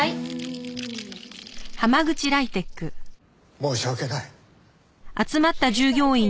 申し訳ない。